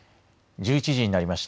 １１時になりました。